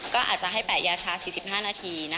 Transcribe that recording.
ก็อาจจะให้แปะยาชาร์จ๔๕นาที